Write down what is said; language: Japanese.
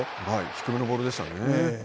低めのボールでしたね。